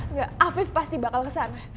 enggak afif pasti bakal ke sana